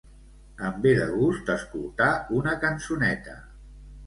Em ve de gust escoltar una cançoneta.